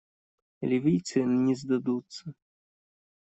Ливийцы не сдадутся.